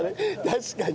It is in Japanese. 確かに。